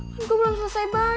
kan gue belum selesai baca